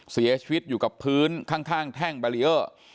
เสียชีวิตอยู่กับพื้นข้างแท่งบารีเออร์